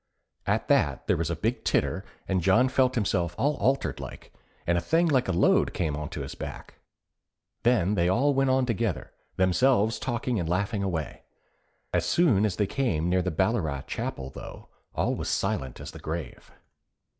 At that there was a big titter and John felt himself all altered like, and a thing like a load came on to his back. Then they all went on together, Themselves talking and laughing away. As soon as they came near the Ballaragh Chapel though, all was as silent as the grave.